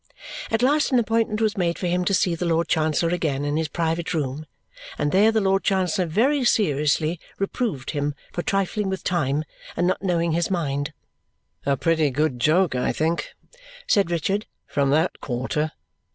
At last an appointment was made for him to see the Lord Chancellor again in his private room, and there the Lord Chancellor very seriously reproved him for trifling with time and not knowing his mind "a pretty good joke, I think," said Richard, "from that quarter!"